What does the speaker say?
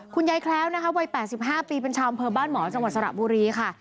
คุณยายแคล้วนะคะวัย๘๕ปีเป็นชาวอำเภอบ้านหมอจังหวัดสระบุรีค่ะ